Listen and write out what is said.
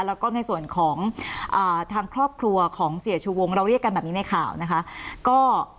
แล้วก็ในส่วนของทางครอบครัวของเสียชูวงเราเรียกกันแบบนี้ในข่าวนะคะ